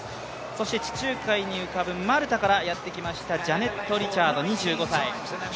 そして地中海に浮かぶマルタからやってきましたジャネット・リチャード２５歳。